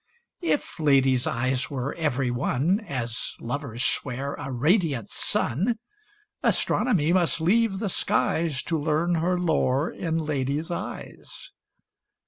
If ladies' eyes were, every one, As lovers swear, a radiant sun. Astronomy must leave the skies, To learn her lore in ladies* eyes.